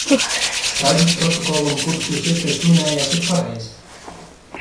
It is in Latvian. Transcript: Skaitļi protokolam, kurus jūs iepriekš minējāt, ir pareizi.